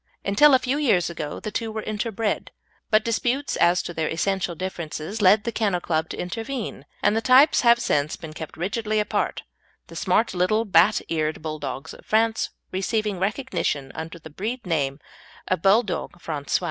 Until a few years ago the two were interbred, but disputes as to their essential differences led the Kennel Club to intervene and the types have since been kept rigidly apart, the smart little bat eared Bulldogs of France receiving recognition under the breed name of Bouledogues Francais.